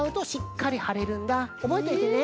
おぼえといてね。